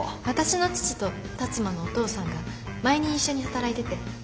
私の父と辰馬のお父さんが前に一緒に働いてて。